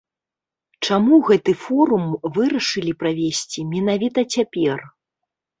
Чаму гэты форум вырашылі правесці менавіта цяпер?